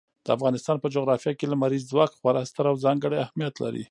د افغانستان په جغرافیه کې لمریز ځواک خورا ستر او ځانګړی اهمیت لري.